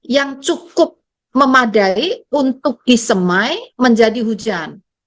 yang cukup memadai untuk disemai menjadi hujan